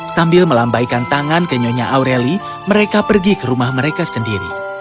sambil melambaikan tangan ke nyonya aureli mereka pergi ke rumah mereka sendiri